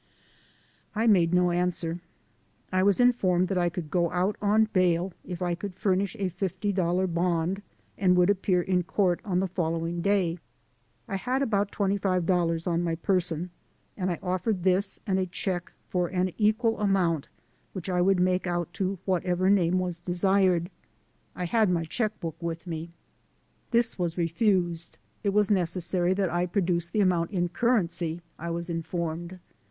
I made no answer. I was informed that I could go out on bail if I could furnish a $50 bond and would appear in court on the following day. I had about $25 on my person, and I offered this and a check for an equal amount which I would make out to whatever name was desired. I had my check book with me. This was refused; it was necessary that I produce the amount in currency, I was informed.